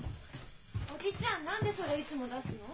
叔父ちゃん何でそれいつも出すの？